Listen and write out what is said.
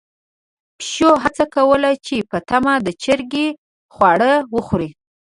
پيشو هڅه کوله چې په پټه د چرګې خواړه وخوري.